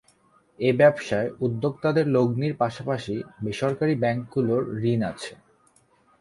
এ ব্যবসায় উদ্যোক্তাদের লগ্নির পাশাপাশি বেসরকারি ব্যাংকগুলোর ঋণ আছে।